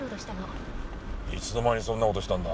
いつの間にそんなことしたんだ？